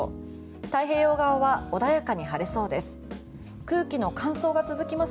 太平洋側は穏やかに晴れそうです。